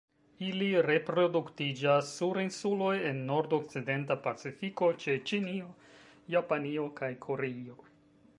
Ili reproduktiĝas sur insuloj en nordokcidenta Pacifiko ĉe Ĉinio, Japanio kaj Koreio.